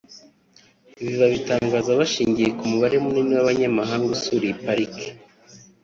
Ibi babitangaza bashingiye ku mubare munini w’abanyamahanga usura iyi parike